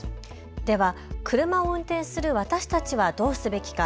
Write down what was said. では車を運転する私たちはどうすべきか。